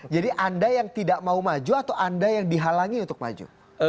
jadi anda yang tidak mau maju atau anda yang dihalangi untuk maju